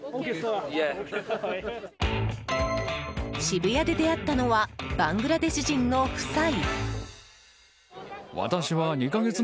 渋谷で出会ったのはバングラデシュ人の夫婦。